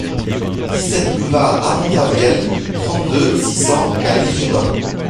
dix-sept boulevard Armand Praviel, trente-deux, six cents à L'Isle-Jourdain